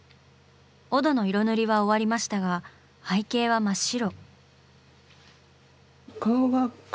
オドの色塗りは終わりましたが背景は真っ白。